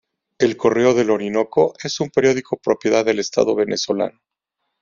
El "Correo del Orinoco" es un periódico propiedad del Estado venezolano.